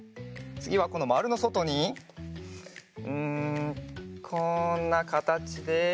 つぎはこのまるのそとにうんこんなかたちで。